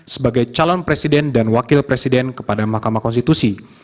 sebagai calon presiden dan wakil presiden kepada mahkamah konstitusi